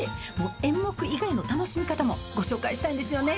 演目以外の楽しみ方もご紹介したいんですよね。